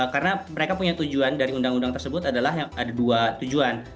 karena mereka punya tujuan dari undang undang tersebut adalah ada dua tujuan